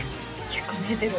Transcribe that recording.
結構見えてる？